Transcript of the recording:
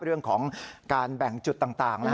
เรื่องของการแบ่งจุดต่าง